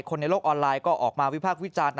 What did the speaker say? ในโลกออนไลน์ก็ออกมาวิพากษ์วิจารณ์